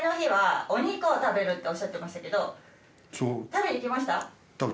食べてきました？